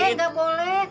eh enggak boleh